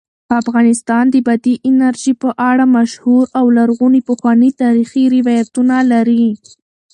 افغانستان د بادي انرژي په اړه مشهور او لرغوني پخواني تاریخی روایتونه لري.